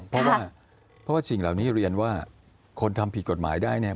เพราะว่าเพราะว่าสิ่งเหล่านี้เรียนว่าคนทำผิดกฎหมายได้เนี่ย